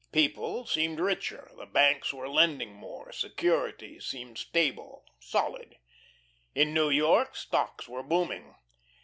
People seemed richer, the banks were lending more, securities seemed stable, solid. In New York, stocks were booming.